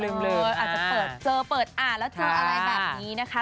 อาจจะเปิดเจอเปิดอ่านแล้วเจออะไรแบบนี้นะคะ